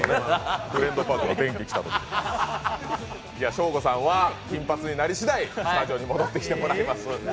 ショーゴさんは金髪になりしだいスタジオに戻ってきてもらいます。